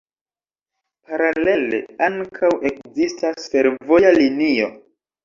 Paralele ankaŭ ekzistas fervoja linio.